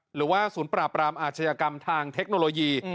หรือว่าศูนย์ปราบรามอาชญากรรมทางเทคโนโลยี